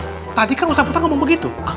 ah tadi kan ustadz bukhtar ngomong begitu